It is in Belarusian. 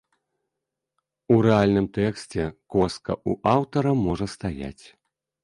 У рэальным тэксце коска ў аўтара можа стаяць.